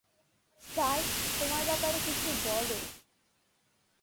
Sprite, তোমার ব্যাপারে কিছু বলো।